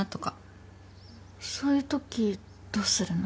そういうときどうするの？